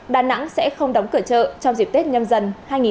đà nẵng sẽ không đóng cửa chợ trong dịp tết nhâm dần hai nghìn hai mươi